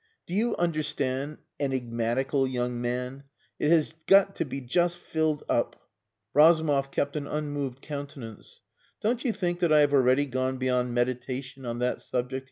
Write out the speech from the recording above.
"Do you understand, enigmatical young man? It has got to be just filled up." Razumov kept an unmoved countenance. "Don't you think that I have already gone beyond meditation on that subject?"